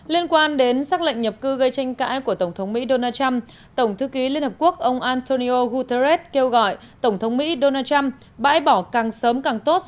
liên quan đến xác lệnh nhập cư gây tranh cãi của tổng thống mỹ donald trump tổng thư ký liên hợp quốc ông antonio guterres kêu gọi tổng thống mỹ donald trump bãi bỏ càng sớm càng tốt